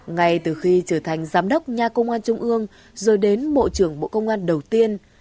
ngay từ khi trở thành giám đốc nhà công an trung ương rồi đến bộ trưởng bộ công an đầu tiên